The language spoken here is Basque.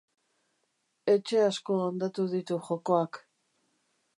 Etxe asko hondatu ditu jokoak.